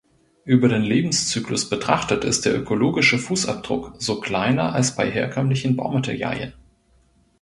Über den Lebenszyklus betrachtet ist der ökologische Fußabdruck so kleiner als bei herkömmlichen Baumaterialien.